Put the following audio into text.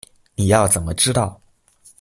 你要怎么知道